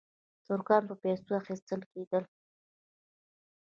ترکان په پیسو اخیستل کېدل.